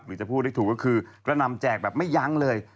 จะพูดได้ถูกก็คือกระนำแจกแบบไม่ยั้งเลย